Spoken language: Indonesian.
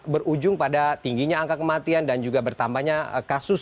berujung pada tingginya angka kematian dan juga bertambahnya kasus